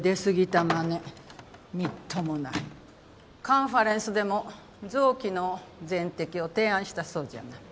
カンファレンスでも臓器の全摘を提案したそうじゃない。